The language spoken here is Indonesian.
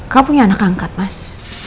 kamu punya anak angkat mas